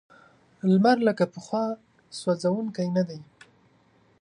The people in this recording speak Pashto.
لمر لکه پخوا سوځونکی نه دی.